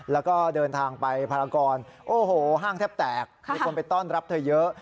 แล้วก็เดินทางไปภารกรโอ้โหห้างแทบแตกมีคนไปต้อนรับเธอเยอะ